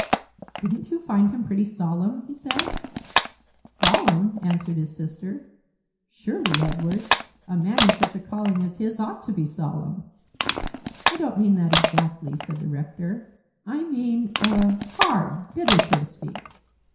"Didn't you find him pretty solemn?" he said. "Solemn!" answered his sister. "Surely, Edward, a man in such a calling as his ought to be solemn." "I don't mean that exactly," said the rector; "I mean er hard, bitter, so to speak."